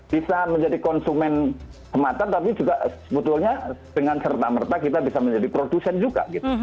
bisa menjadi konsumen semata tapi juga sebetulnya dengan serta merta kita bisa menjadi produsen juga gitu